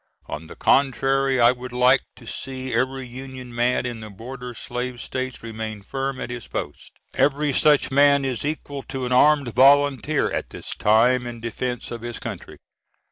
On the contrary, I would like to see every Union man in the border slave states remain firm at his post. Every such man is equal to an armed volunteer at this time in defence of his country.